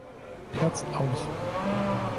Platz aus.